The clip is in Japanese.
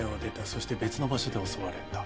そして別の場所で襲われた。